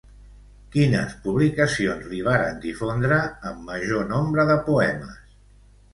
Quines publicacions li varen difondre amb major nombre de poemes.